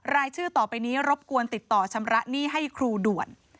รายชื่อต่อไปนี้รบกวนติดต่อชำระหนี้ให้ครูด่วน